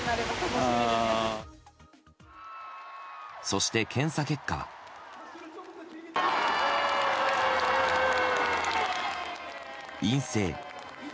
そして検査結果は、陰性。